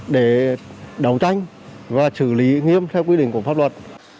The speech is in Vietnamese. để đấu tranh và xử lý nghiêm theo quy định của pháp luật